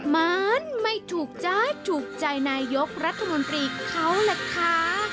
มันไม่ถูกจ๊ะถูกใจนายกรัฐมนตรีเขาล่ะคะ